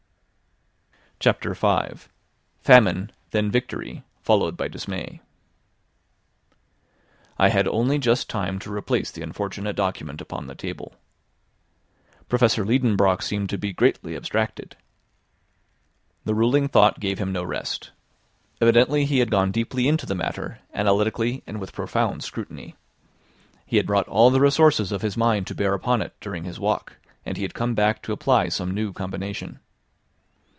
CHAPTER V. FAMINE, THEN VICTORY, FOLLOWED BY DISMAY I had only just time to replace the unfortunate document upon the table. Professor Liedenbrock seemed to be greatly abstracted. The ruling thought gave him no rest. Evidently he had gone deeply into the matter, analytically and with profound scrutiny. He had brought all the resources of his mind to bear upon it during his walk, and he had come back to apply some new combination.